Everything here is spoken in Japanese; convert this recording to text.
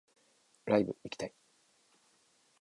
ライブ行きたい